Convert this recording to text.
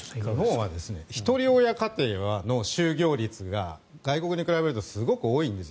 日本はひとり親家庭の就業率が外国に比べるとすごく多いんです。